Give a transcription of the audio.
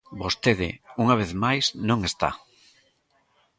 Vostede, unha vez máis, non está.